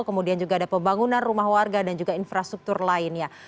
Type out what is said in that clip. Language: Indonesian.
kemudian juga ada pembangunan rumah warga dan juga infrastruktur lainnya